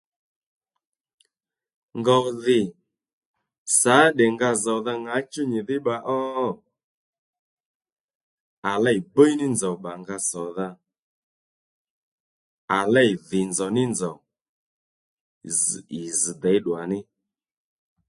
Ngòw dhì sǎ tdè nga zòwdha ŋǎchú nyìdhí bba ó? à lêy bíy ní nzòw bbà nga sòdha à lêy dhì nzòw ní nzòw zz̀ ì zz̀ děy ddùwà ní